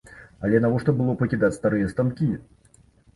Але навошта было пакідаць старыя станкі?